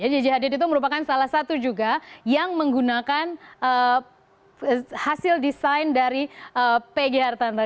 jj hadid itu merupakan salah satu juga yang menggunakan hasil desain dari pg hartanto